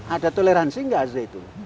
ada toleransi enggak azzaytun